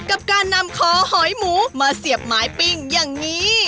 กับการนำคอหอยหมูมาเสียบไม้ปิ้งอย่างนี้